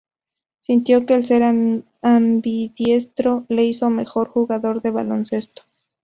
Sintió que el ser ambidiestro le hizo mejor jugador de baloncesto.